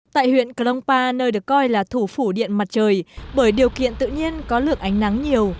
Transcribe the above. tại huyện cronpa nơi được coi là thủ phủ điện mặt trời bởi điều kiện tự nhiên có lượng ánh nắng nhiều